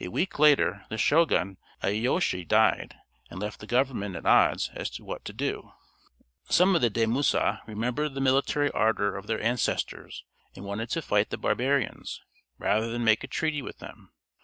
A week later the Shogun Iyéyoshi died, and left the government at odds as to what to do. Some of the daimios remembered the military ardor of their ancestors, and wanted to fight the barbarians, rather than make a treaty with them.